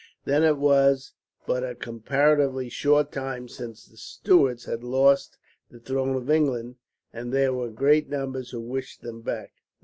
Then it was but a comparatively short time since the Stuarts had lost the throne of England, and there were great numbers who wished them back.